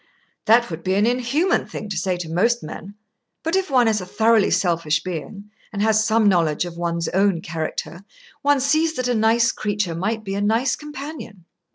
"That would be an inhuman thing to say to most men, but if one is a thoroughly selfish being, and has some knowledge of one's own character, one sees that a nice creature might be a nice companion."